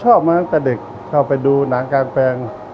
ชอบไปดูหนังกางแปรงชอบไปดูหนังกางแปรง